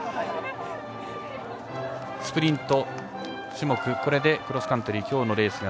スプリント種目これでクロスカントリー